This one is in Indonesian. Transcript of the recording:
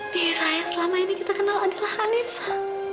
mira yang selama ini kita kenal adalah anissa